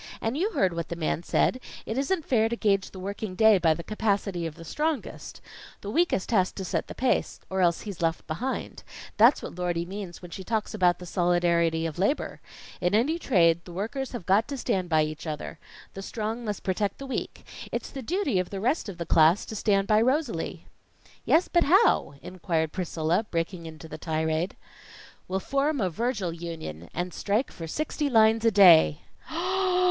And you heard what the man said: it isn't fair to gage the working day by the capacity of the strongest. The weakest has to set the pace, or else he's left behind. That's what Lordy means when she talks about the solidarity of labor. In any trade, the workers have got to stand by each other. The strong must protect the weak. It's the duty of the rest of the class to stand by Rosalie." "Yes, but how?" inquired Priscilla, breaking into the tirade. "We'll form a Virgil Union, and strike for sixty lines a day."